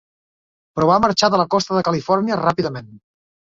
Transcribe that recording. Però va marxar de la costa de Califòrnia ràpidament.